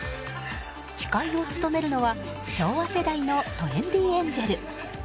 司会を務めるのは昭和世代のトレンディエンジェル。